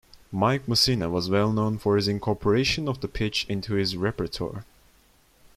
Mike Mussina was well known for his incorporation of the pitch into his repertoire.